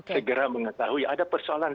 segera mengetahui ada persoalan